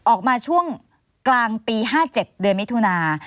ออกมาช่วงกลางปี๕๗เดือนมิถุนา